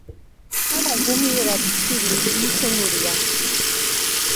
ჰავა ზომიერად ცივი მუსონურია.